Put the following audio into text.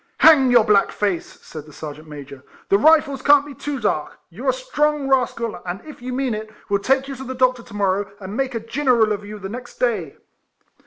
" Hang your black face," said the Ser geant Major; " the Kifles can't be too dark: you 're a strong rascal, and if you mean it, we '11 take you to the doctor to morrow and make a Giniril of you the next day."